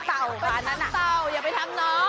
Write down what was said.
ไปทำเต่าอย่าไปทำน้อง